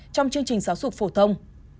trong chương trình giáo dục phổ thông